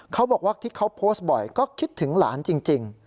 เขาบอกว่าที่เขาโพสต์บ่อยก็คิดถึงหลานจริง